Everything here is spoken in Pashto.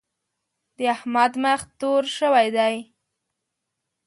د احمد مخ تور شوی دی.